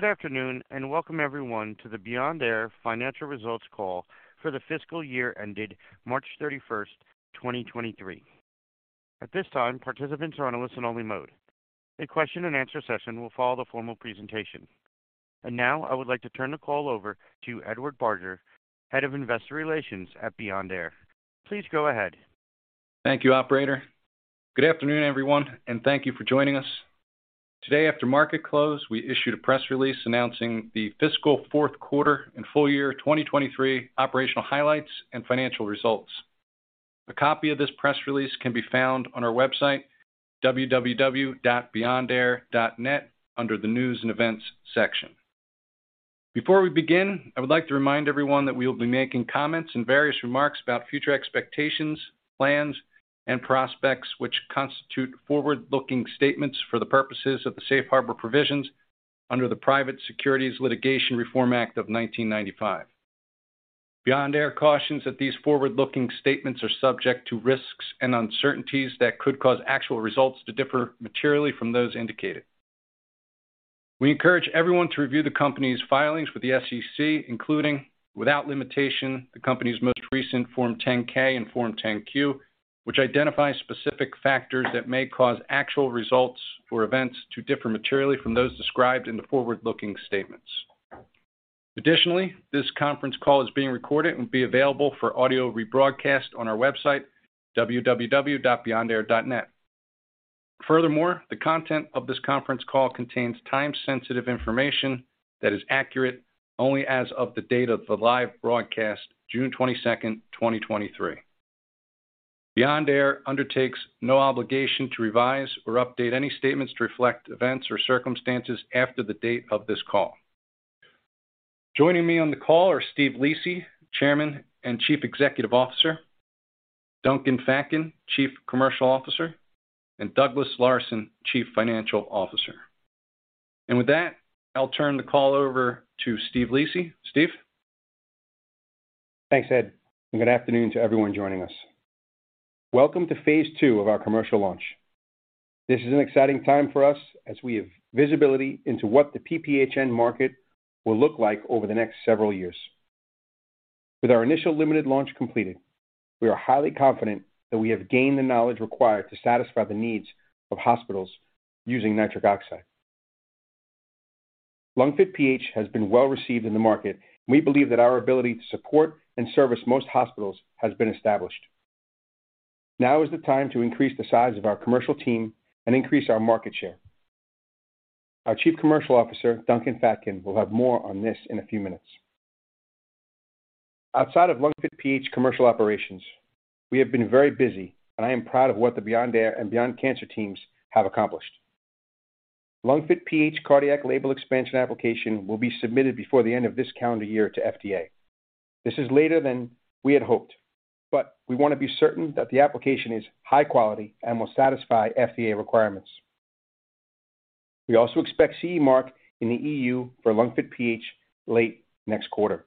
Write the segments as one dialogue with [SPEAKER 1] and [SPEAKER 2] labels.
[SPEAKER 1] Good afternoon, and welcome everyone to the Beyond Air financial results call for the fiscal year ended March 31, 2023. At this time, participants are on a listen-only mode. A question and answer session will follow the formal presentation. Now, I would like to turn the call over to Edward Barger, Head of Investor Relations at Beyond Air. Please go ahead.
[SPEAKER 2] Thank you, operator. Good afternoon, everyone, and thank you for joining us. Today, after market close, we issued a press release announcing the fiscal fourth quarter and full year 2023 operational highlights and financial results. A copy of this press release can be found on our website, www.beyondair.net, under the News and Events section. Before we begin, I would like to remind everyone that we will be making comments and various remarks about future expectations, plans, and prospects, which constitute forward-looking statements for the purposes of the Safe Harbor Provisions under the Private Securities Litigation Reform Act of 1995. Beyond Air cautions that these forward-looking statements are subject to risks and uncertainties that could cause actual results to differ materially from those indicated. We encourage everyone to review the company's filings with the SEC, including, without limitation, the company's most recent Form 10-K and Form 10-Q, which identify specific factors that may cause actual results or events to differ materially from those described in the forward-looking statements. This conference call is being recorded and will be available for audio rebroadcast on our website, www.beyondair.net. The content of this conference call contains time-sensitive information that is accurate only as of the date of the live broadcast, June 22nd, 2023. Beyond Air undertakes no obligation to revise or update any statements to reflect events or circumstances after the date of this call. Joining me on the call are Steve Lisi, Chairman and Chief Executive Officer, Duncan Fatkin, Chief Commercial Officer, and Douglas Larson, Chief Financial Officer. With that, I'll turn the call over to Steve Lisi. Steve?
[SPEAKER 3] Thanks, Ed, and good afternoon to everyone joining us. Welcome to phase two of our commercial launch. This is an exciting time for us as we have visibility into what the PPHN market will look like over the next several years. With our initial limited launch completed, we are highly confident that we have gained the knowledge required to satisfy the needs of hospitals using nitric oxide. LungFit PH has been well-received in the market, and we believe that our ability to support and service most hospitals has been established. Now is the time to increase the size of our commercial team and increase our market share. Our Chief Commercial Officer, Duncan Fatkin, will have more on this in a few minutes. Outside of LungFit PH commercial operations, we have been very busy, and I am proud of what the Beyond Air and Beyond Cancer teams have accomplished. LungFit PH cardiac label expansion application will be submitted before the end of this calendar year to FDA. This is later than we had hoped, but we want to be certain that the application is high quality and will satisfy FDA requirements. We also expect CE mark in the EU for LungFit PH late next quarter.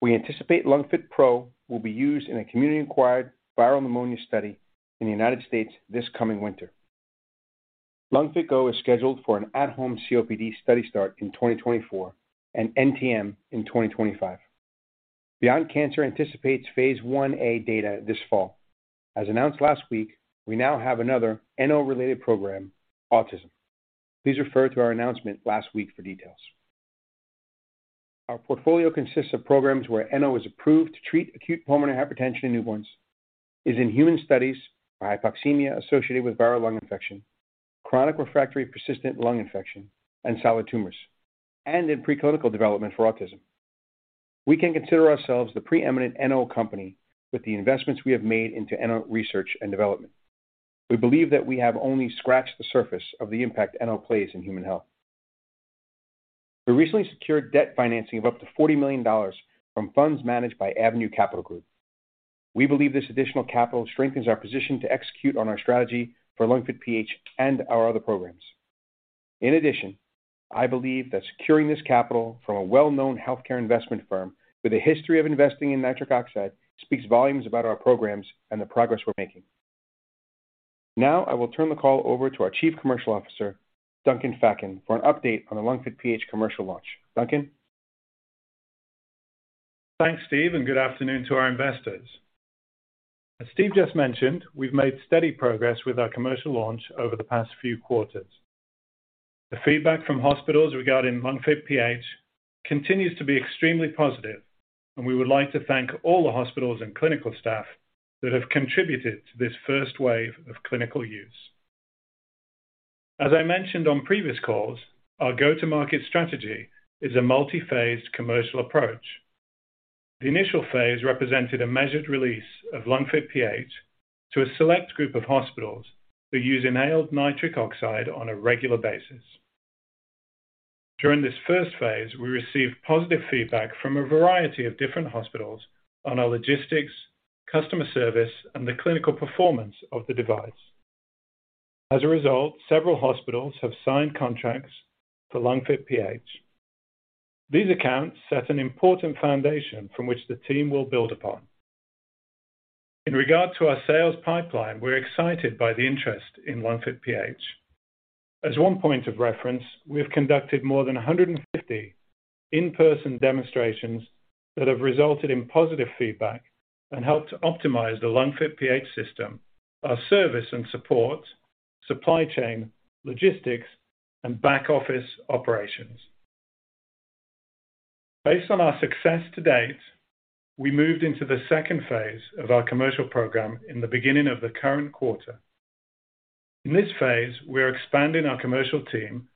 [SPEAKER 3] We anticipate LungFit PRO will be used in a community-acquired viral pneumonia study in the United States this coming winter. LungFit GO is scheduled for an at-home COPD study start in 2024 and NTM in 2025. Beyond Cancer anticipates Phase Ia data this fall. As announced last week, we now have another NO-related program, autism. Please refer to our announcement last week for details. Our portfolio consists of programs where NO is approved to treat acute pulmonary hypertension in newborns, is in human studies for hypoxemia associated with viral lung infection, chronic refractory persistent lung infection, and solid tumors, and in preclinical development for autism. We can consider ourselves the preeminent NO company with the investments we have made into NO research and development. We believe that we have only scratched the surface of the impact NO plays in human health. We recently secured debt financing of up to $40 million from funds managed by Avenue Capital Group. We believe this additional capital strengthens our position to execute on our strategy for LungFit PH and our other programs. In addition, I believe that securing this capital from a well-known healthcare investment firm with a history of investing in nitric oxide speaks volumes about our programs and the progress we're making. Now, I will turn the call over to our Chief Commercial Officer, Duncan Fatkin, for an update on the LungFit PH commercial launch. Duncan?
[SPEAKER 4] Thanks, Steve. Good afternoon to our investors. As Steve just mentioned, we've made steady progress with our commercial launch over the past few quarters. The feedback from hospitals regarding LungFit PH continues to be extremely positive, and we would like to thank all the hospitals and clinical staff that have contributed to this first wave of clinical use. As I mentioned on previous calls, our go-to-market strategy is a multi-phased commercial approach. The initial phase represented a measured release of LungFit PH to a select group of hospitals who use inhaled nitric oxide on a regular basis. During this first phase, we received positive feedback from a variety of different hospitals on our logistics, customer service, and the clinical performance of the device. As a result, several hospitals have signed contracts for LungFit PH. These accounts set an important foundation from which the team will build upon. In regard to our sales pipeline, we're excited by the interest in LungFit PH. As one point of reference, we have conducted more than 150 in-person demonstrations that have resulted in positive feedback and helped to optimize the LungFit PH system, our service and support, supply chain, logistics, and back-office operations. Based on our success to date, we moved into the second phase of our commercial program in the beginning of the current quarter. In this phase, we are expanding our commercial team,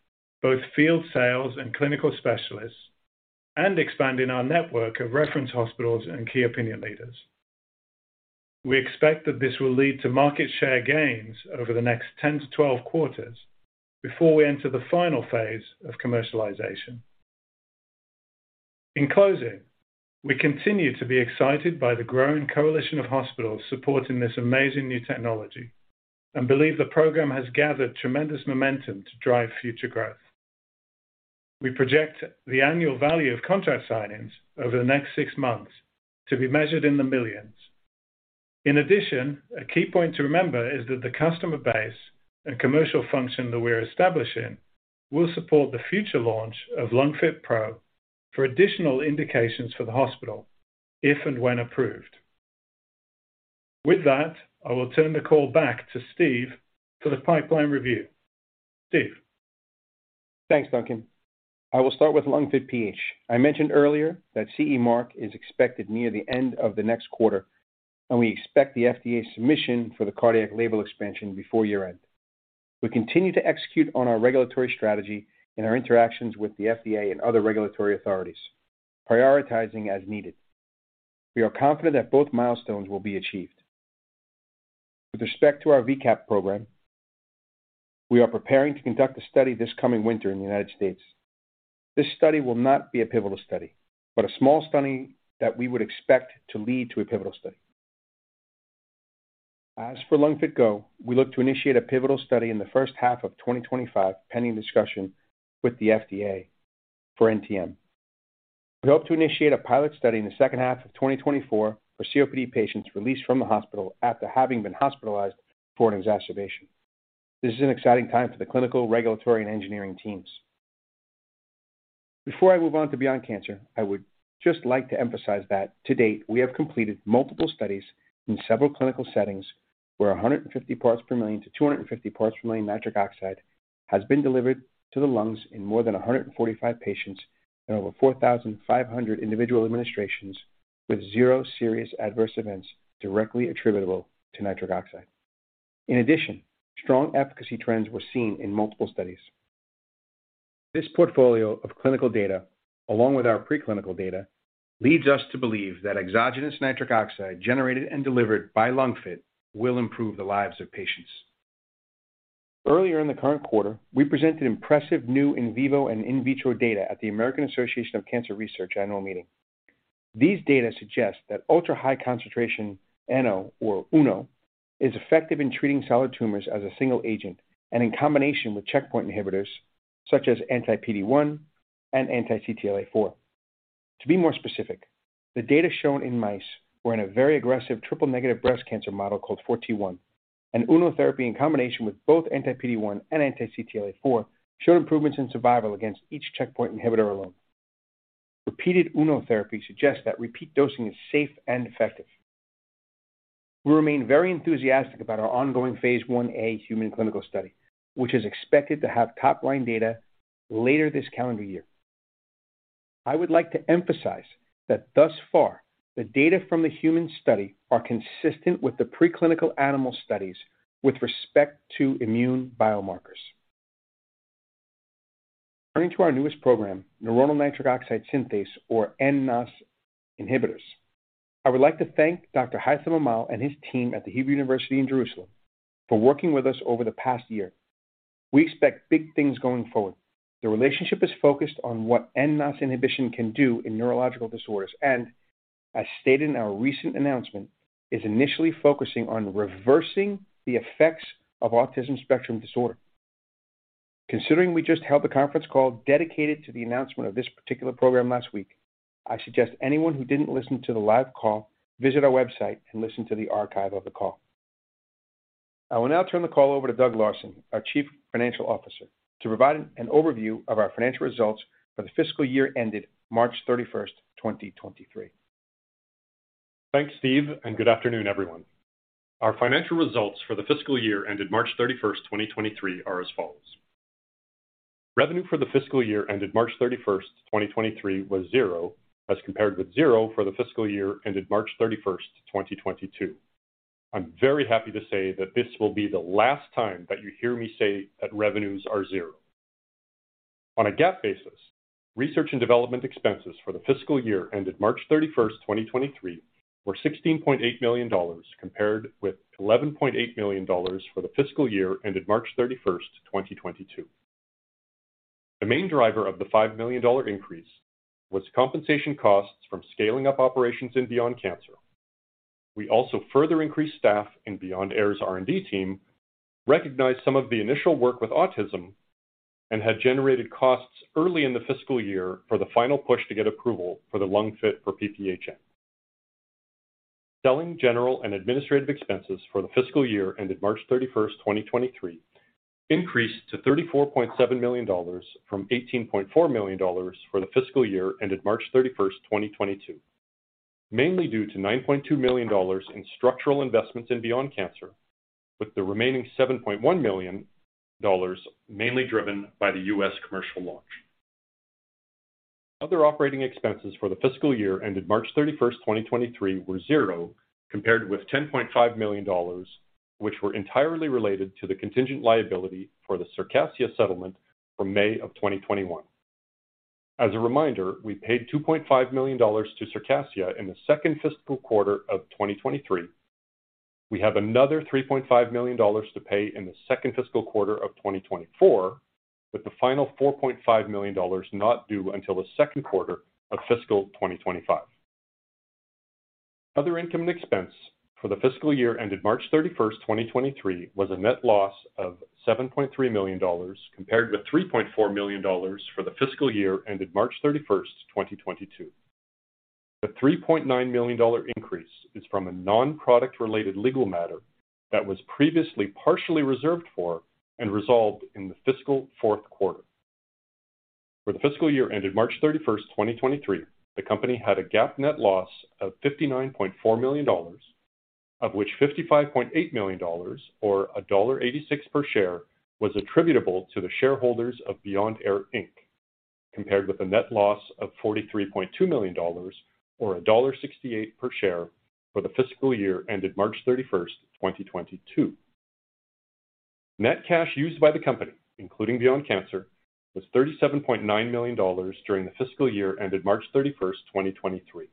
[SPEAKER 4] both field sales and clinical specialists, and expanding our network of reference hospitals and key opinion leaders. We expect that this will lead to market share gains over the next 10-12 quarters before we enter the final phase of commercialization. In closing, we continue to be excited by the growing coalition of hospitals supporting this amazing new technology and believe the program has gathered tremendous momentum to drive future growth. We project the annual value of contract signings over the next six months to be measured in the $ millions. In addition, a key point to remember is that the customer base and commercial function that we're establishing will support the future launch of LungFit PRO for additional indications for the hospital, if and when approved. With that, I will turn the call back to Steve for the pipeline review. Steve?
[SPEAKER 3] Thanks, Duncan. I will start with LungFit PH. I mentioned earlier that CE mark is expected near the end of the next quarter, and we expect the FDA submission for the cardiac label expansion before year-end. We continue to execute on our regulatory strategy and our interactions with the FDA and other regulatory authorities, prioritizing as needed. We are confident that both milestones will be achieved. With respect to our VCAP program, we are preparing to conduct a study this coming winter in the United States. This study will not be a pivotal study, but a small study that we would expect to lead to a pivotal study. As for LungFit GO, we look to initiate a pivotal study in the first half of 2025, pending discussion with the FDA for NTM. We hope to initiate a pilot study in the second half of 2024 for COPD patients released from the hospital after having been hospitalized for an exacerbation. This is an exciting time for the clinical, regulatory, and engineering teams. Before I move on to Beyond Cancer, I would just like to emphasize that to date, we have completed multiple studies in several clinical settings where 150 parts per million to 250 parts per million nitric oxide has been delivered to the lungs in more than 145 patients and over 4,500 individual administrations, with 0 serious adverse events directly attributable to nitric oxide. In addition, strong efficacy trends were seen in multiple studies. This portfolio of clinical data, along with our preclinical data, leads us to believe that exogenous nitric oxide, generated and delivered by LungFit, will improve the lives of patients. Earlier in the current quarter, we presented impressive new in vivo and in vitro data at the American Association for Cancer Research annual meeting. These data suggest that ultra-high concentration NO, or UNO, is effective in treating solid tumors as a single agent and in combination with checkpoint inhibitors such as anti-PD-1 and anti-CTLA-4. To be more specific, the data shown in mice were in a very aggressive triple-negative breast cancer model called 4T1, and UNO therapy, in combination with both anti-PD-1 and anti-CTLA-4, showed improvements in survival against each checkpoint inhibitor alone. Repeated UNO therapy suggests that repeat dosing is safe and effective. We remain very enthusiastic about our ongoing Phase Ia human clinical study, which is expected to have top-line data later this calendar year. I would like to emphasize that thus far, the data from the human study are consistent with the preclinical animal studies with respect to immune biomarkers. Turning to our newest program, neuronal nitric oxide synthase, or nNOS inhibitors, I would like to thank Dr. Haitham Amal and his team at the Hebrew University of Jerusalem for working with us over the past year. We expect big things going forward. The relationship is focused on what nNOS inhibition can do in neurological disorders and, as stated in our recent announcement, is initially focusing on reversing the effects of autism spectrum disorder. Considering we just held a conference call dedicated to the announcement of this particular program last week, I suggest anyone who didn't listen to the live call, visit our website and listen to the archive of the call. I will now turn the call over to Doug Larson, our chief financial officer, to provide an overview of our financial results for the fiscal year ended March 31st, 2023.
[SPEAKER 5] Thanks, Steve, and good afternoon, everyone. Our financial results for the fiscal year ended March 31, 2023, are as follows: Revenue for the fiscal year ended March 31, 2023, was 0, as compared with 0 for the fiscal year ended March 31, 2022. I'm very happy to say that this will be the last time that you hear me say that revenues are 0. On a GAAP basis, research and development expenses for the fiscal year ended March 31, 2023, were $16.8 million, compared with $11.8 million for the fiscal year ended March 31, 2022. The main driver of the $5 million increase was compensation costs from scaling up operations in Beyond Cancer. We also further increased staff in Beyond Air's R&D team, recognized some of the initial work with autism... Had generated costs early in the fiscal year for the final push to get approval for the LungFit for PPHN. Selling, general, and administrative expenses for the fiscal year ended March 31st, 2023, increased to $34.7 million from $18.4 million for the fiscal year ended March 31st, 2022, mainly due to $9.2 million in structural investments in Beyond Cancer, with the remaining $7.1 million mainly driven by the US commercial launch. Other operating expenses for the fiscal year ended March 31st, 2023, were 0, compared with $10.5 million, which were entirely related to the contingent liability for the Circassia settlement from May of 2021. As a reminder, we paid $2.5 million to Circassia in the second fiscal quarter of 2023. We have another $3.5 million to pay in the second fiscal quarter of 2024, with the final $4.5 million not due until the second quarter of fiscal 2025. Other income and expense for the fiscal year ended March 31, 2023, was a net loss of $7.3 million, compared with $3.4 million for the fiscal year ended March 31, 2022. The $3.9 million increase is from a non-product-related legal matter that was previously partially reserved for and resolved in the fiscal fourth quarter. For the fiscal year ended March 31st, 2023, the company had a GAAP net loss of $59.4 million, of which $55.8 million, or $1.86 per share, was attributable to the shareholders of Beyond Air, Inc., compared with a net loss of $43.2 million, or $1.68 per share, for the fiscal year ended March 31st, 2022. Net cash used by the company, including Beyond Cancer, was $37.9 million during the fiscal year ended March 31st, 2023.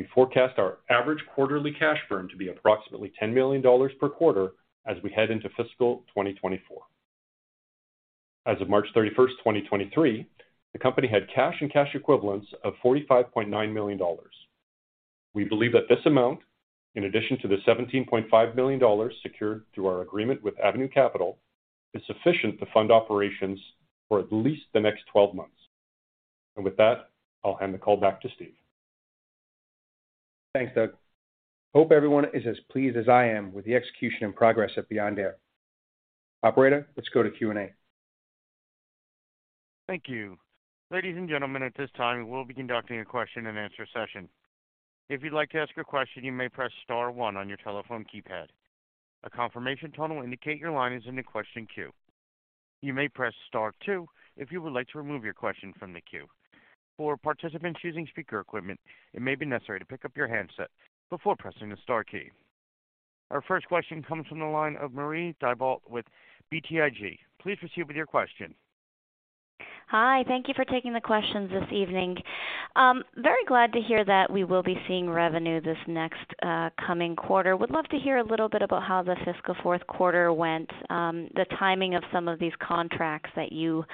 [SPEAKER 5] We forecast our average quarterly cash burn to be approximately $10 million per quarter as we head into fiscal 2024. As of March 31st, 2023, the company had cash and cash equivalents of $45.9 million. We believe that this amount, in addition to the $17.5 million secured through our agreement with Avenue Capital, is sufficient to fund operations for at least the next 12 months. With that, I'll hand the call back to Steve.
[SPEAKER 3] Thanks, Doug. Hope everyone is as pleased as I am with the execution and progress at Beyond Air. Operator, let's go to Q&A.
[SPEAKER 1] Thank you. Ladies and gentlemen, at this time, we'll be conducting a question-and-answer session. If you'd like to ask a question, you may press star 1 on your telephone keypad. A confirmation tone will indicate your line is in the question queue. You may press star 2 if you would like to remove your question from the queue. For participants using speaker equipment, it may be necessary to pick up your handset before pressing the star key. Our first question comes from the line of Marie Thibault with BTIG. Please proceed with your question.
[SPEAKER 6] Hi, thank you for taking the questions this evening. Very glad to hear that we will be seeing revenue this next, coming quarter. Would love to hear a little bit about how the fiscal fourth quarter went, the timing of some of these contracts that you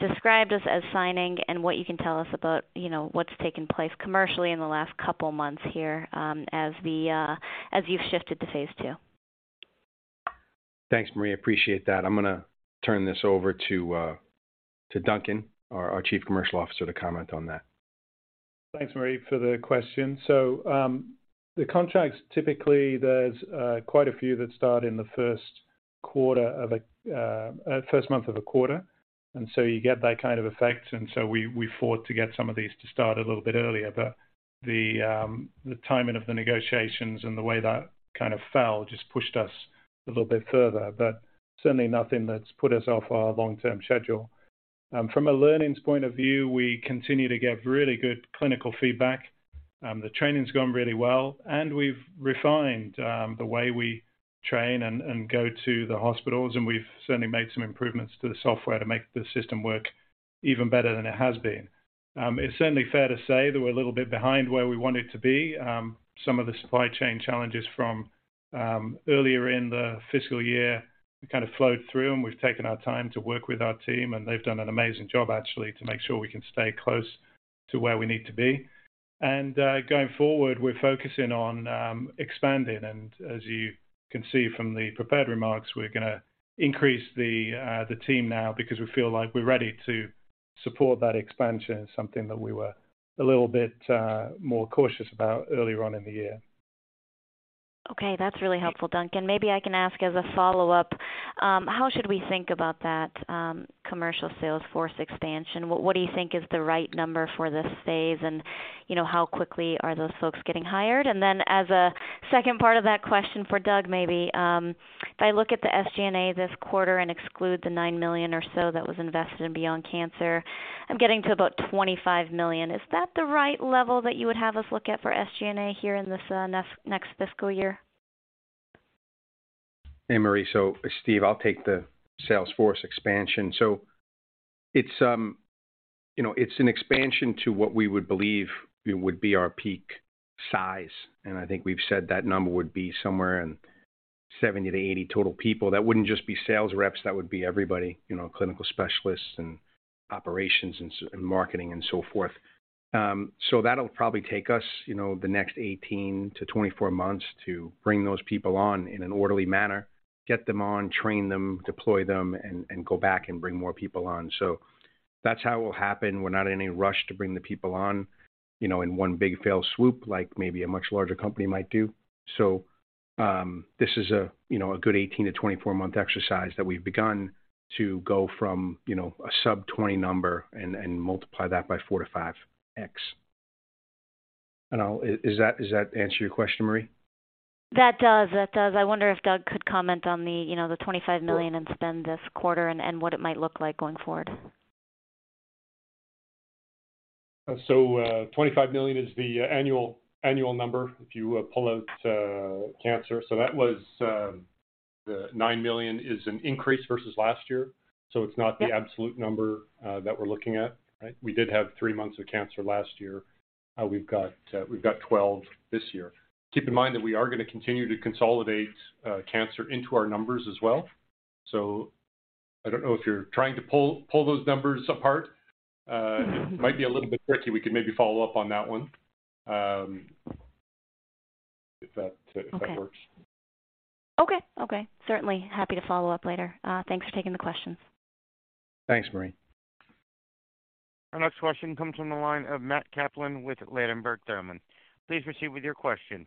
[SPEAKER 6] described as signing, and what you can tell us about, you know, what's taken place commercially in the last couple of months here, as you've shifted to Phase 2.
[SPEAKER 3] Thanks, Marie. Appreciate that. I'm going to turn this over to Duncan, our Chief Commercial Officer, to comment on that.
[SPEAKER 4] Thanks, Marie, for the question. The contracts, typically, there's quite a few that start in the first quarter of a first month of a quarter. You get that kind of effect. We fought to get some of these to start a little bit earlier, but the timing of the negotiations and the way that kind of fell just pushed us a little bit further, but certainly nothing that's put us off our long-term schedule. From a learnings point of view, we continue to get really good clinical feedback. The training's going really well, and we've refined the way we train and go to the hospitals, and we've certainly made some improvements to the software to make the system work even better than it has been. It's certainly fair to say that we're a little bit behind where we wanted to be. Some of the supply chain challenges from earlier in the fiscal year kind of flowed through. We've taken our time to work with our team, and they've done an amazing job, actually, to make sure we can stay close to where we need to be. Going forward, we're focusing on expanding. As you can see from the prepared remarks, we're going to increase the team now because we feel like we're ready to support that expansion, something that we were a little bit more cautious about earlier on in the year.
[SPEAKER 6] Okay, that's really helpful, Duncan. Maybe I can ask as a follow-up, how should we think about that commercial sales force expansion? What do you think is the right number for this phase, and, you know, how quickly are those folks getting hired? As a second part of that question for Doug, maybe, if I look at the SG&A this quarter and exclude the $9 million or so that was invested in Beyond Cancer, I'm getting to about $25 million. Is that the right level that you would have us look at for SG&A here in this next fiscal year?
[SPEAKER 3] Hey, Marie. Steve, I'll take the sales force expansion. It's, you know, it's an expansion to what we would believe it would be our peak size, and I think we've said that number would be somewhere in 70-80 total people. That wouldn't just be sales reps, that would be everybody, you know, clinical specialists and operations and marketing and so forth. That'll probably take us, you know, the next 18-24 months to bring those people on in an orderly manner, get them on, train them, deploy them, and go back and bring more people on. That's how it will happen. We're not in any rush to bring the people on, you know, in one big fell swoop, like maybe a much larger company might do. this is a, you know, a good 18-24-month exercise that we've begun to go from, you know, a sub-20 number and multiply that by 4-5x. Does that answer your question, Marie?
[SPEAKER 6] That does. That does. I wonder if Doug could comment on the, you know, the $25 million in spend this quarter and what it might look like going forward.
[SPEAKER 5] 25 million is the annual number if you pull out cancer. That was, the $9 million is an increase versus last year, so it's not-
[SPEAKER 6] Yep.
[SPEAKER 5] -the absolute number, that we're looking at, right? We did have 3 months of cancer last year. We've got 12 this year. Keep in mind that we are going to continue to consolidate, cancer into our numbers as well. I don't know if you're trying to pull those numbers apart.
[SPEAKER 6] Mm-hmm.
[SPEAKER 5] it might be a little bit tricky. We could maybe follow up on that one, if that.
[SPEAKER 6] Okay.
[SPEAKER 5] if that works.
[SPEAKER 6] Okay. Okay, certainly. Happy to follow up later. Thanks for taking the questions.
[SPEAKER 3] Thanks, Marie.
[SPEAKER 1] Our next question comes from the line of Matt Kaplan with Ladenburg Thalmann. Please proceed with your question.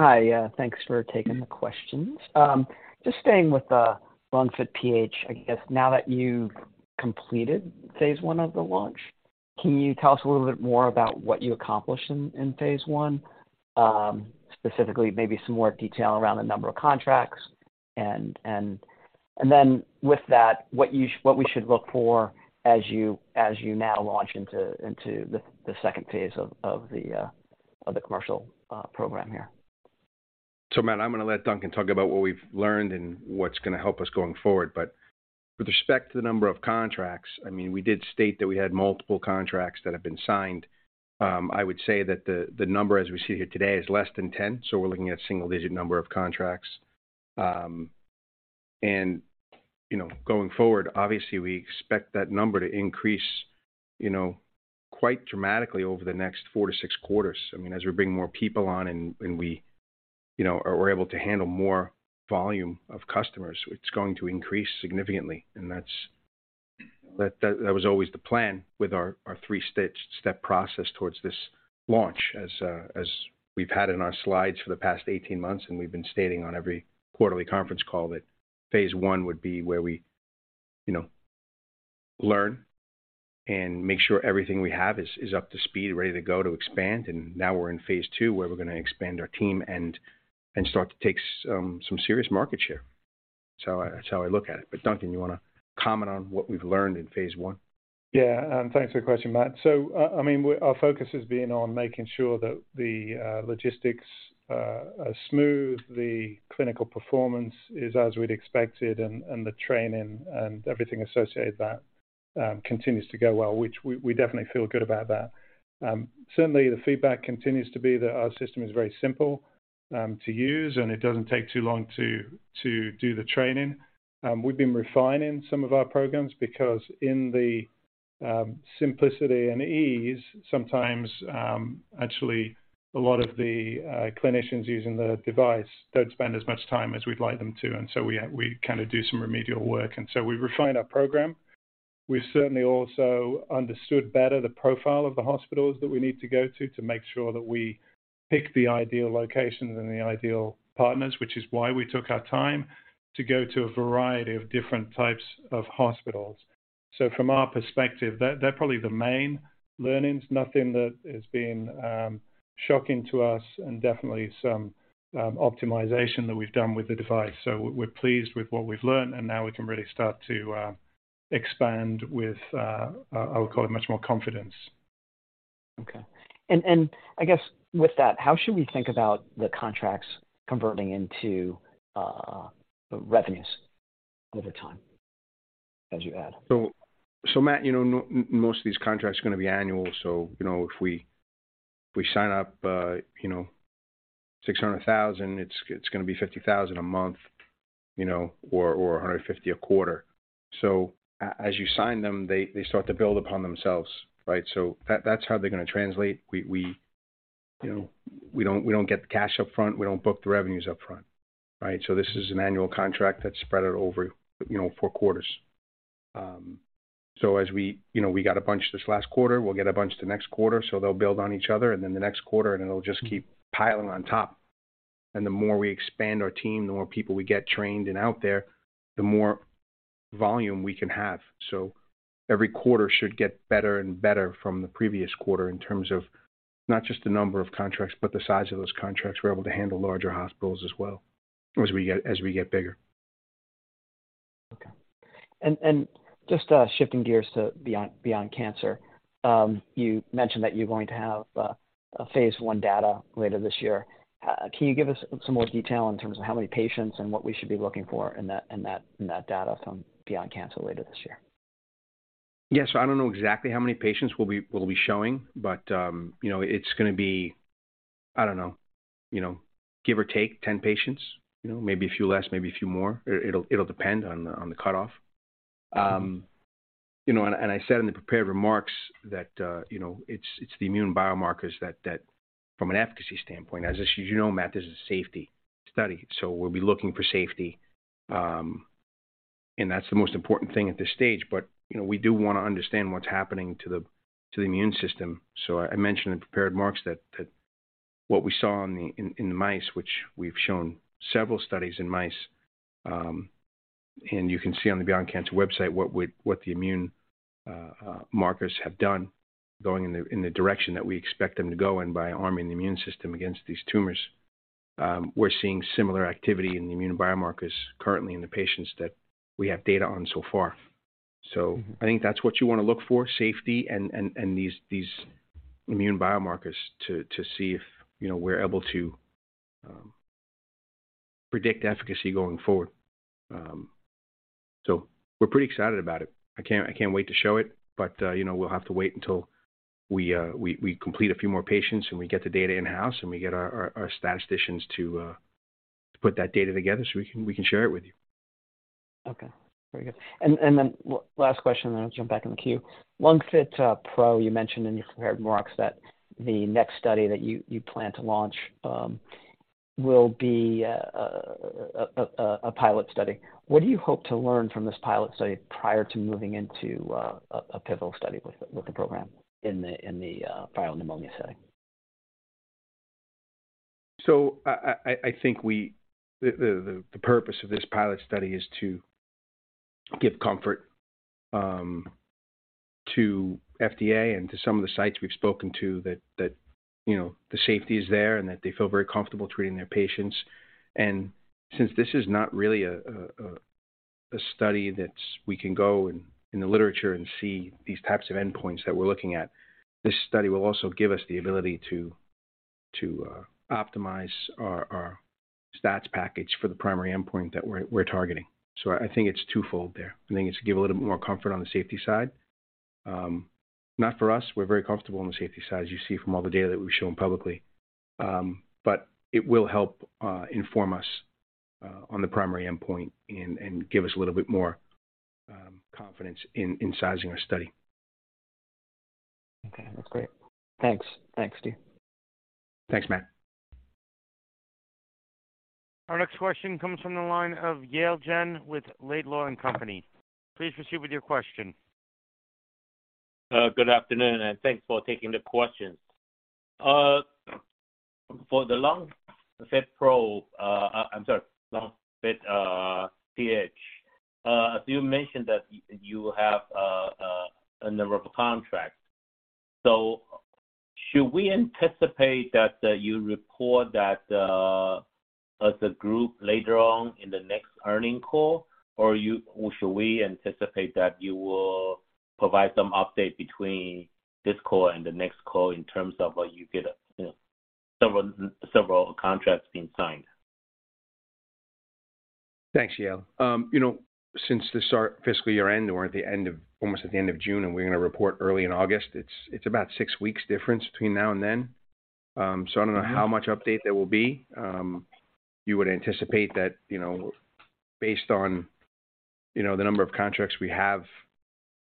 [SPEAKER 7] Hi, thanks for taking the questions. Just staying with the LungFit PH, I guess now that you've completed phase one of the launch, can you tell us a little bit more about what you accomplished in phase one? Specifically, maybe some more detail around the number of contracts and then with that, what we should look for as you now launch into the second phase of the commercial program here.
[SPEAKER 3] Matt, I'm going to let Duncan talk about what we've learned and what's going to help us going forward. With respect to the number of contracts, I mean, we did state that we had multiple contracts that have been signed. I would say that the number as we see here today is less than 10, so we're looking at single-digit number of contracts. You know, going forward, obviously, we expect that number to increase, you know, quite dramatically over the next 4-6 quarters. I mean, as we bring more people on and we, you know, are able to handle more volume of customers, it's going to increase significantly. That's always the plan with our three-stage, step process towards this launch. As we've had in our slides for the past 18 months, we've been stating on every quarterly conference call that phase 1 would be where we, you know, learn and make sure everything we have is up to speed and ready to go to expand. Now we're in phase 2, where we're going to expand our team and start to take some serious market share. That's how I look at it. Duncan, you want to comment on what we've learned in phase 1?
[SPEAKER 4] Yeah, thanks for the question, Matt. I mean, our focus has been on making sure that the logistics are smooth, the clinical performance is as we'd expected, and the training and everything associated with that continues to go well, which we definitely feel good about that. Certainly, the feedback continues to be that our system is very simple to use, and it doesn't take too long to do the training. We've been refining some of our programs because in the simplicity and ease, sometimes, actually, a lot of the clinicians using the device don't spend as much time as we'd like them to, and so we kind of do some remedial work, and so we refine our program. We've certainly also understood better the profile of the hospitals that we need to go to make sure that we pick the ideal locations and the ideal partners, which is why we took our time to go to a variety of different types of hospitals. From our perspective, they're probably the main learnings, nothing that has been shocking to us and definitely some optimization that we've done with the device. We're pleased with what we've learned, and now we can really start to expand with I would call it much more confidence.
[SPEAKER 7] Okay. I guess with that, how should we think about the contracts converting into revenues over time as you add?
[SPEAKER 3] Matt, you know, most of these contracts are going to be annual. You know, if we sign up $600,000, it's going to be $50,000 a month, you know, or $150,000 a quarter. As you sign them, they start to build upon themselves, right? That's how they're going to translate. We, you know, we don't get the cash up front. We don't book the revenues up front, right? This is an annual contract that's spread out over, you know, 4 quarters. You know, we got a bunch this last quarter, we'll get a bunch the next quarter, they'll build on each other, the next quarter, and it'll just keep piling on top. The more we expand our team, the more people we get trained and out there, the more volume we can have. Every quarter should get better and better from the previous quarter in terms of not just the number of contracts, but the size of those contracts. We're able to handle larger hospitals as well as we get bigger.
[SPEAKER 7] Okay. Just shifting gears to Beyond Cancer. You mentioned that you're going to have a phase 1 data later this year. Can you give us some more detail in terms of how many patients and what we should be looking for in that data from Beyond Cancer later this year?
[SPEAKER 3] Yes. I don't know exactly how many patients we'll be showing, but, you know, it's going to be, I don't know, you know, give or take 10 patients, you know, maybe a few less, maybe a few more. It'll depend on the cutoff. You know, and I said in the prepared remarks that, you know, it's the immune biomarkers that from an efficacy standpoint, as you know, Matt, this is a safety study, so we'll be looking for safety. And that's the most important thing at this stage. You know, we do want to understand what's happening to the immune system. I mentioned in the prepared remarks that what we saw on the mice, which we've shown several studies in mice, and you can see on the Beyond Cancer website what the immune markers have done, going in the direction that we expect them to go in by arming the immune system against these tumors. We're seeing similar activity in the immune biomarkers currently in the patients that we have data on so far. I think that's what you want to look for, safety and these immune biomarkers to see if, you know, we're able to predict efficacy going forward. We're pretty excited about it. I can't wait to show it, you know, we'll have to wait until we complete a few more patients and we get the data in-house, and we get our statisticians to put that data together so we can share it with you.
[SPEAKER 7] Okay, very good. Last question, and then I'll jump back in the queue. LungFit PRO, you mentioned in your prepared remarks that the next study that you plan to launch will be a pilot study. What do you hope to learn from this pilot study prior to moving into a pivotal study with the program in the pneumonia setting?
[SPEAKER 3] I think the purpose of this pilot study is to give comfort to FDA and to some of the sites we've spoken to, that, you know, the safety is there and that they feel very comfortable treating their patients. Since this is not really a study that's we can go in the literature and see these types of endpoints that we're looking at, this study will also give us the ability to optimize our stats package for the primary endpoint that we're targeting. I think it's twofold there. I think it's to give a little bit more comfort on the safety side. Not for us, we're very comfortable on the safety side, as you see from all the data that we've shown publicly. It will help inform us on the primary endpoint and give us a little bit more confidence in sizing our study.
[SPEAKER 7] Okay, that's great. Thanks. Thanks, Steve.
[SPEAKER 3] Thanks, Matt.
[SPEAKER 1] Our next question comes from the line of Yale Jen with Laidlaw & Company. Please proceed with your question.
[SPEAKER 8] Good afternoon, and thanks for taking the questions. For the LungFit PRO, I'm sorry, LungFit PH, you mentioned that you have a number of contracts. Should we anticipate that you report that as a group later on in the next earnings call, or should we anticipate that you will provide some update between this call and the next call in terms of what you get, you know, several contracts being signed?
[SPEAKER 3] Thanks, Yale. You know, since the start of fiscal year end, or at the end of, almost at the end of June, and we're going to report early in August, it's about six weeks difference between now and then. I don't know how much update there will be. You would anticipate that, you know, based on, you know, the number of contracts we have,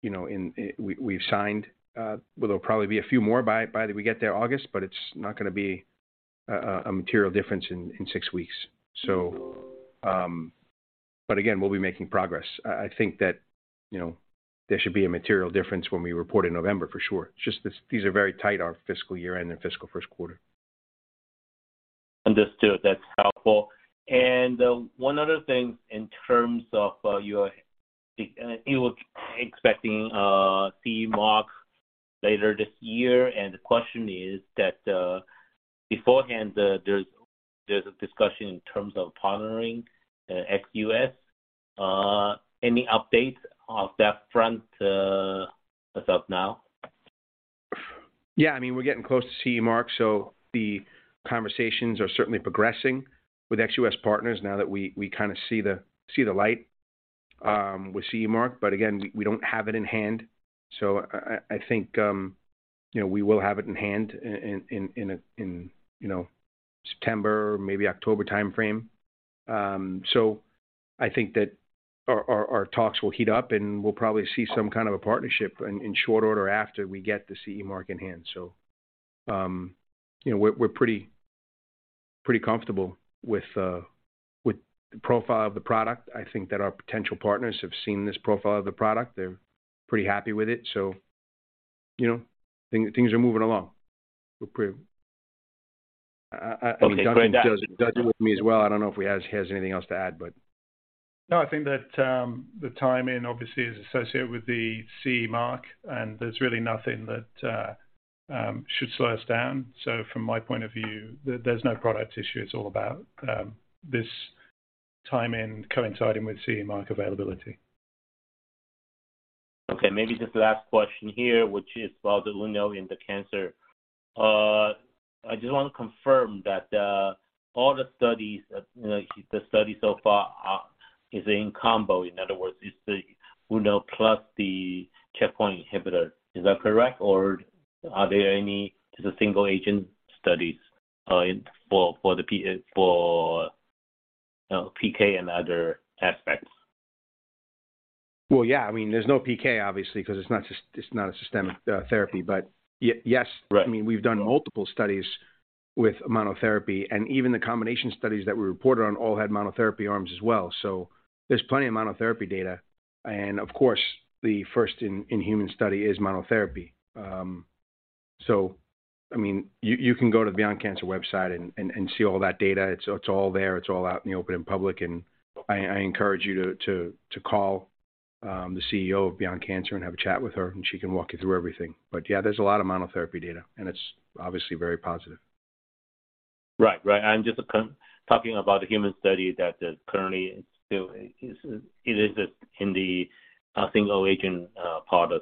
[SPEAKER 3] you know, in, we've signed, well, there'll probably be a few more by the we get there August, but it's not going to be a material difference in six weeks. Again, we'll be making progress. I think that, you know, there should be a material difference when we report in November for sure. It's just this, these are very tight, our fiscal year end and fiscal first quarter.
[SPEAKER 8] Understood. That's helpful. One other thing in terms of You were expecting CE mark later this year, the question is that beforehand, there's a discussion in terms of partnering ex US. Any updates on that front as of now?
[SPEAKER 3] I mean, we're getting close to CE mark. The conversations are certainly progressing with ex US partners now that we kind of see the light with CE mark. Again, we don't have it in hand. I think, you know, we will have it in hand in a, you know, September, maybe October timeframe. I think that our talks will heat up, and we'll probably see some kind of a partnership in short order after we get the CE mark in hand. You know, we're pretty comfortable with the profile of the product. I think that our potential partners have seen this profile of the product. They're pretty happy with it, you know, things are moving along. We're pretty.
[SPEAKER 8] Okay, great.
[SPEAKER 3] Duncan with me as well. I don't know if he has anything else to add, but-
[SPEAKER 4] I think that the timing obviously is associated with the CE mark, and there's really nothing that should slow us down. From my point of view, there's no product issue. It's all about this timing coinciding with CE mark availability.
[SPEAKER 8] Okay, maybe just the last question here, which is about the lung nodule in the cancer. I just want to confirm that, you know, the studies so far. Is it in combo? In other words, it's the UNO plus the checkpoint inhibitor. Is that correct, or are there any single-agent studies, PK and other aspects?
[SPEAKER 3] Well, yeah, I mean, there's no PK, obviously, because it's not just, it's not a systemic therapy. Yes.
[SPEAKER 8] Right
[SPEAKER 3] I mean, we've done multiple studies with monotherapy, and even the combination studies that we reported on all had monotherapy arms as well. There's plenty of monotherapy data, and of course, the first in human study is monotherapy. I mean, you can go to the Beyond Cancer website and see all that data. It's, it's all there. It's all out in the open and public, and I encourage you to call the CEO of Beyond Cancer and have a chat with her, and she can walk you through everything. Yeah, there's a lot of monotherapy data, and it's obviously very positive.
[SPEAKER 8] Right. Right. I'm just talking about the human study that is currently still is, it is in the single-agent part.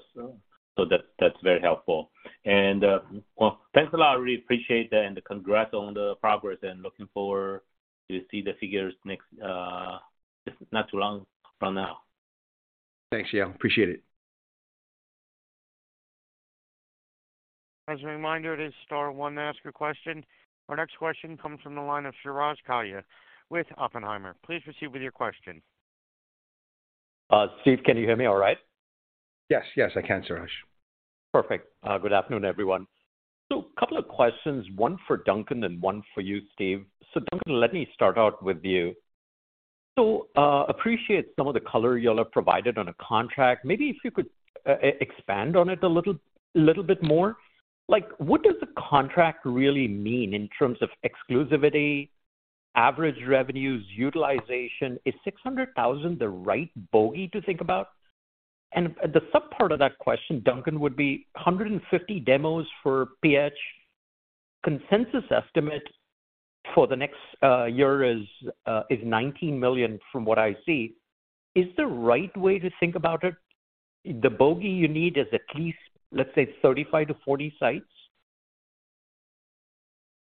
[SPEAKER 8] That's very helpful. Well, thanks a lot. I really appreciate that. Congrats on the progress. Looking forward to see the figures next, not too long from now.
[SPEAKER 3] Thanks, Yale. Appreciate it.
[SPEAKER 1] As a reminder, it is star one to ask a question. Our next question comes from the line of Suraj Kalia with Oppenheimer. Please proceed with your question.
[SPEAKER 9] Steve, can you hear me all right?
[SPEAKER 3] Yes. Yes, I can, Suraj.
[SPEAKER 9] Perfect. Good afternoon, everyone. A couple of questions, one for Duncan and one for you, Steve. Duncan, let me start out with you. Appreciate some of the color y'all have provided on a contract. Maybe if you could expand on it a little bit more. Like, what does the contract really mean in terms of exclusivity, average revenues, utilization? Is $600,000 the right bogey to think about? The subpart of that question, Duncan, would be 150 demos for PH. Consensus estimate for the next year is $19 million, from what I see. Is the right way to think about it, the bogey you need is at least, let's say, 35-40 sites?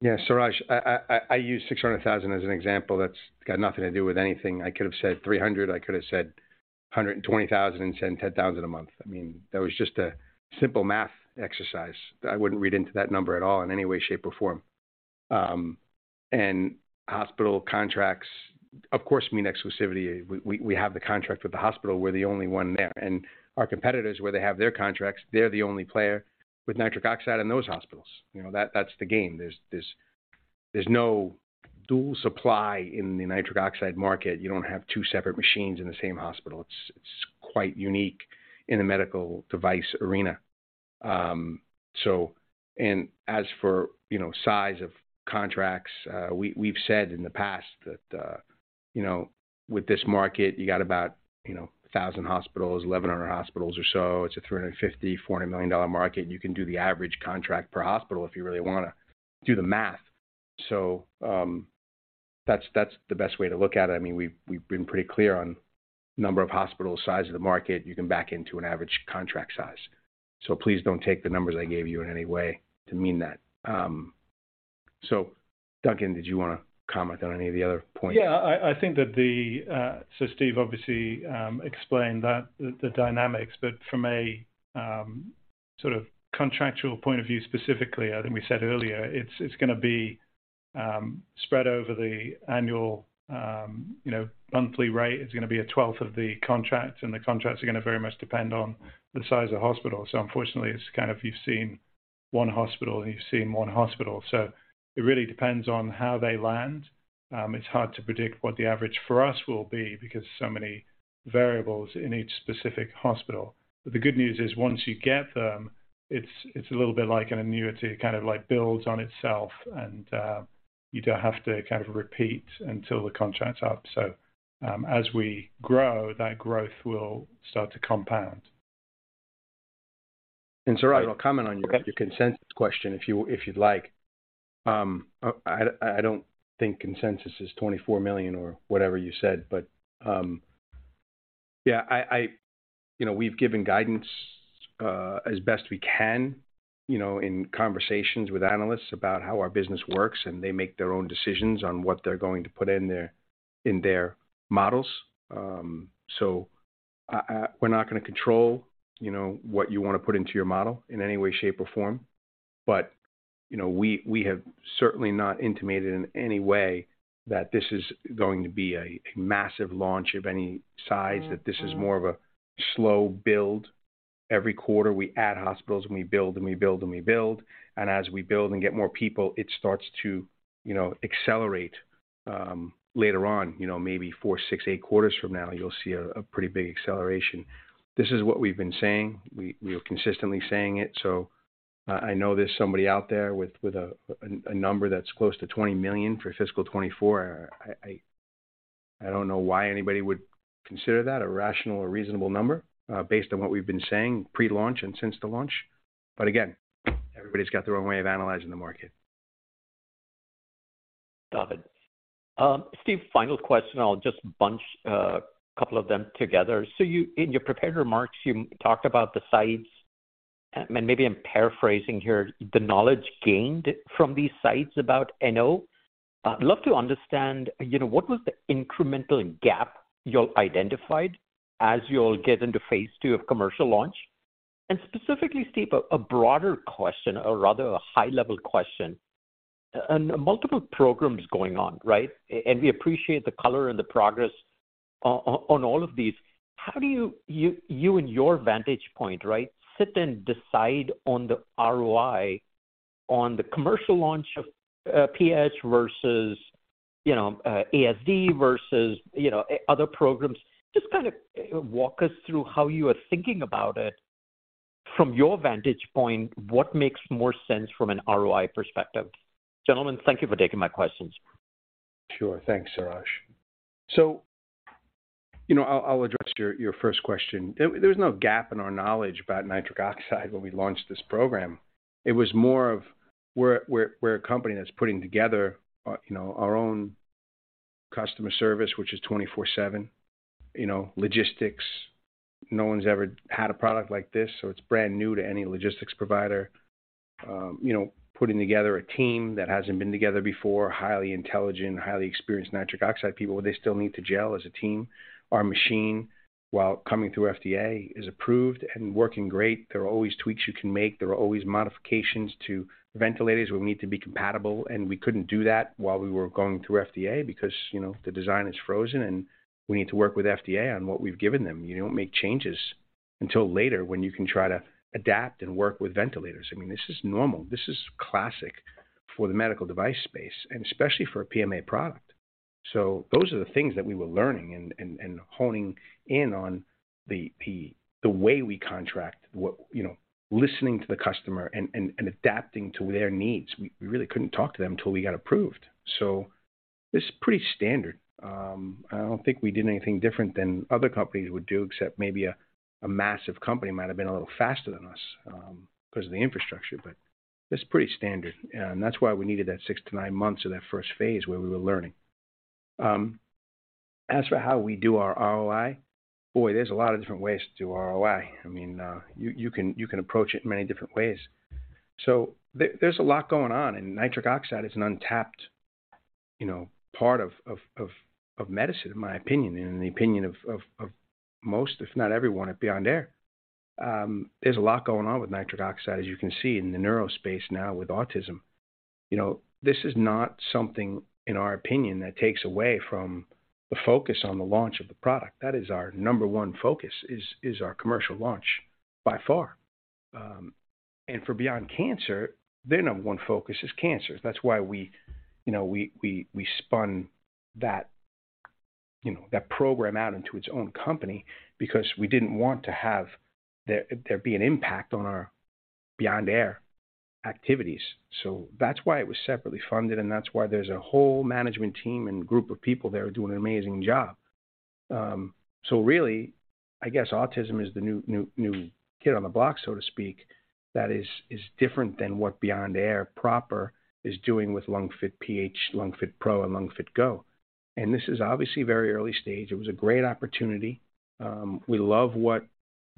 [SPEAKER 3] Yeah, Suraj Kalia, I used $600,000 as an example. That's got nothing to do with anything. I could have said $300. I could have said $120,000 and said $10,000 a month. I mean, that was just a simple math exercise. I wouldn't read into that number at all in any way, shape, or form. Hospital contracts, of course, mean exclusivity. We have the contract with the hospital. We're the only one there, and our competitors, where they have their contracts, they're the only player with nitric oxide in those hospitals. You know, that's the game. There's no dual supply in the nitric oxide market. You don't have two separate machines in the same hospital. It's quite unique in the medical device arena. As for, you know, size of contracts, we've said in the past that, you know, with this market, you got about, you know, 1,000 hospitals, 1,100 hospitals or so. It's a $350 million-$400 million market. You can do the average contract per hospital if you really wanna do the math. That's the best way to look at it. I mean, we've been pretty clear on number of hospitals, size of the market. You can back into an average contract size. Please don't take the numbers I gave you in any way to mean that. Duncan, did you wanna comment on any of the other points?
[SPEAKER 4] Yeah, I think that the... Steve obviously explained that, the dynamics, but from a sort of contractual point of view, specifically, I think we said earlier, it's gonna be spread over the annual, you know, monthly rate. It's gonna be a twelfth of the contract, and the contracts are gonna very much depend on the size of hospital. Unfortunately, it's kind of you've seen one hospital, you've seen one hospital. It really depends on how they land. It's hard to predict what the average for us will be because so many variables in each specific hospital. The good news is, once you get them, it's a little bit like an annuity, kind of like builds on itself, and you don't have to kind of repeat until the contract's up. As we grow, that growth will start to compound.
[SPEAKER 3] Suraj, I'll comment on your.
[SPEAKER 9] Okay...
[SPEAKER 3] your consensus question if you, if you'd like. I don't think consensus is $24 million or whatever you said, but, yeah. You know, we've given guidance, as best we can, you know, in conversations with analysts about how our business works, and they make their own decisions on what they're going to put in their, in their models. So I, we're not gonna control, you know, what you want to put into your model in any way, shape, or form. You know, we have certainly not intimated in any way that this is going to be a massive launch of any size, that this is more of a slow build. Every quarter, we add hospitals, and we build, and we build, and we build. As we build and get more people, it starts to, you know, accelerate later on. You know, maybe 4, 6, 8 quarters from now, you'll see a pretty big acceleration. This is what we've been saying. We are consistently saying it, so I know there's somebody out there with a number that's close to $20 million for fiscal 2024. I don't know why anybody would consider that a rational or reasonable number based on what we've been saying pre-launch and since the launch. Again, everybody's got their own way of analyzing the market.
[SPEAKER 9] Love it. Steve, final question, I'll just bunch a couple of them together. You, in your prepared remarks, you talked about the sites... And maybe I'm paraphrasing here, the knowledge gained from these sites about NO. I'd love to understand, you know, what was the incremental gap you all identified as you all get into phase 2 of commercial launch? Specifically, Steve, a broader question or rather a high-level question, and multiple programs going on, right? We appreciate the color and the progress on all of these. How do you in your vantage point, right, sit and decide on the ROI on the commercial launch of PH versus, you know, ASD versus, you know, other programs? Just kind of walk us through how you are thinking about it. From your vantage point, what makes more sense from an ROI perspective? Gentlemen, thank you for taking my questions.
[SPEAKER 3] Sure. Thanks, Suraj. You know, I'll address your first question. There's no gap in our knowledge about nitric oxide when we launched this program. It was more of we're a company that's putting together, you know, our own customer service, which is 24/7. You know, logistics. No one's ever had a product like this, so it's brand new to any logistics provider. You know, putting together a team that hasn't been together before, highly intelligent, highly experienced nitric oxide people, they still need to gel as a team. Our machine, while coming through FDA, is approved and working great. There are always tweaks you can make. There are always modifications to ventilators will need to be compatible, and we couldn't do that while we were going through FDA because, you know, the design is frozen, and we need to work with FDA on what we've given them. You don't make changes until later when you can try to adapt and work with ventilators. I mean, this is normal. This is classic for the medical device space and especially for a PMA product. Those are the things that we were learning and honing in on the way we contract, what, you know, listening to the customer and adapting to their needs. We really couldn't talk to them until we got approved. This is pretty standard. I don't think we did anything different than other companies would do, except maybe a massive company might have been a little faster than us because of the infrastructure, but it's pretty standard. That's why we needed that 6 to 9 months of that first phase where we were learning. As for how we do our ROI, boy, there's a lot of different ways to do ROI. I mean, you can approach it many different ways. There's a lot going on, and nitric oxide is an untapped, you know, part of medicine, in my opinion, and in the opinion of most, if not everyone, at Beyond Air. There's a lot going on with nitric oxide, as you can see in the neuro space now with autism. You know, this is not something, in our opinion, that takes away from the focus on the launch of the product. That is our number one focus is our commercial launch by far. For Beyond Cancer, their number one focus is cancer. That's why we, you know, we spun that, you know, that program out into its own company because we didn't want to have there be an impact on our Beyond Air activities. That's why it was separately funded, and that's why there's a whole management team and group of people there doing an amazing job. Really, I guess autism is the new kid on the block, so to speak, that is different than what Beyond Air proper is doing with LungFit PH, LungFit PRO, and LungFit GO. This is obviously very early stage. It was a great opportunity. We love what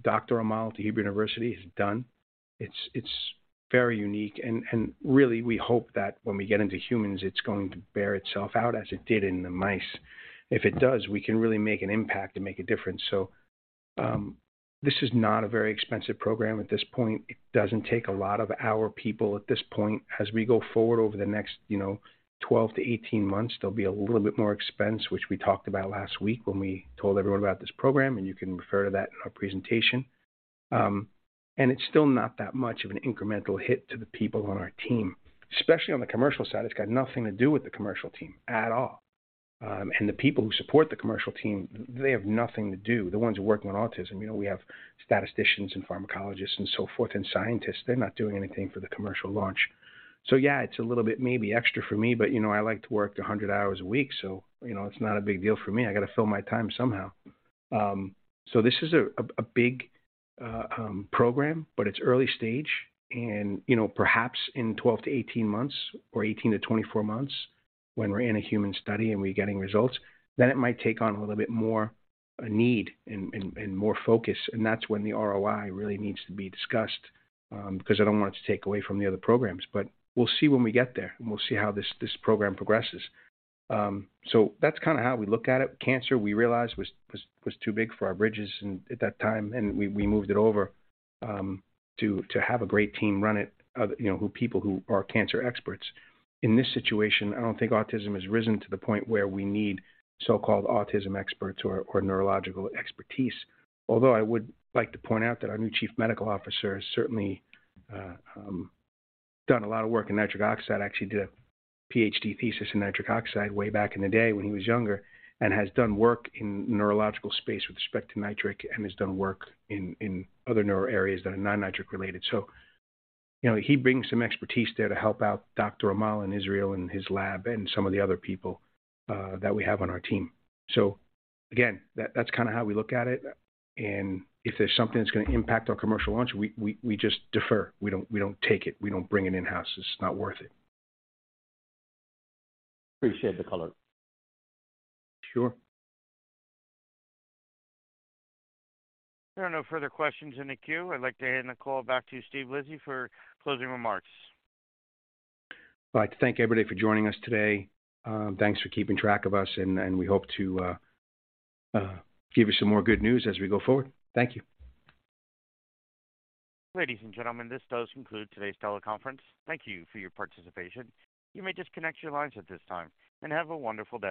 [SPEAKER 3] Dr. Amal at the Hebrew University has done. It's very unique, and really, we hope that when we get into humans, it's going to bear itself out as it did in the mice. If it does, we can really make an impact and make a difference. This is not a very expensive program at this point. It doesn't take a lot of our people at this point. As we go forward over the next, you know, 12-18 months, there'll be a little bit more expense, which we talked about last week when we told everyone about this program, and you can refer to that in our presentation. And it's still not that much of an incremental hit to the people on our team. Especially on the commercial side, it's got nothing to do with the commercial team at all. The people who support the commercial team, they have nothing to do. The ones who work on autism, you know, we have statisticians and pharmacologists and so forth, and scientists. They're not doing anything for the commercial launch. Yeah, it's a little bit maybe extra for me, but you know, I like to work 100 hours a week, so you know, it's not a big deal for me. I gotta fill my time somehow. This is a big program, but it's early stage and, you know, perhaps in 12 to 18 months or 18 to 24 months, when we're in a human study and we're getting results, then it might take on a little bit more need and more focus, and that's when the ROI really needs to be discussed. I don't want it to take away from the other programs, but we'll see when we get there, and we'll see how this program progresses. That's kinda how we look at it. Cancer, we realized, was too big for our bridges and at that time, and we moved it over to have a great team run it, you know, people who are cancer experts. In this situation, I don't think autism has risen to the point where we need so-called autism experts or neurological expertise. I would like to point out that our new chief medical officer has certainly done a lot of work in nitric oxide, actually did a PhD thesis in nitric oxide way back in the day when he was younger and has done work in neurological space with respect to nitric and has done work in other neuro areas that are not nitric related. You know, he brings some expertise there to help out Dr. Amal in Israel and his lab and some of the other people that we have on our team. Again, that's kinda how we look at it, and if there's something that's gonna impact our commercial launch, we just defer. We don't take it. We don't bring it in-house. It's not worth it.
[SPEAKER 9] Appreciate the color.
[SPEAKER 3] Sure.
[SPEAKER 1] There are no further questions in the queue. I'd like to hand the call back to you, Steve Lisi, for closing remarks.
[SPEAKER 3] I'd like to thank everybody for joining us today. Thanks for keeping track of us, and we hope to give you some more good news as we go forward. Thank you.
[SPEAKER 1] Ladies and gentlemen, this does conclude today's teleconference. Thank you for your participation. You may disconnect your lines at this time, and have a wonderful day.